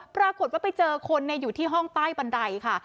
ปรากฏว่าไปเจอคนอยู่ที่ห้องใต้บันไดค่ะ